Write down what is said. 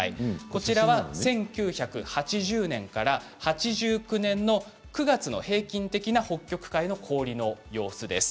こちらは１９８０年から８９年の９月の平均的な北極海の氷の様子です。